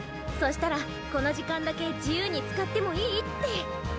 そしたらこの時間だけ自由に使ってもいいって。